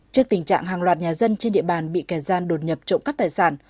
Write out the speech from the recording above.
trước tình trạng hàng loạt nhà dân trên địa bàn bị kẻ gian đột nhập trộm cắp tài sản